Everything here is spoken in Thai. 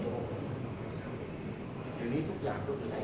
ฮอร์โมนถูกมีแล้วหรือเปล่า